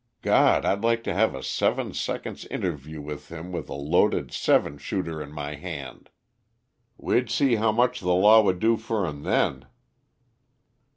God! I'd like to have a seven seconds' interview with him with a loaded seven shooter in my hand! We'd see how much the law would do for him then."